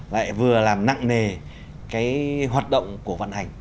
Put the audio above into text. lại vừa làm nặng nề